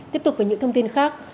tiếp tục với những thông tin khác